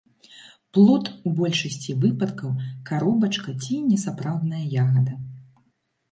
Плод у большасці выпадкаў каробачка ці несапраўдная ягада.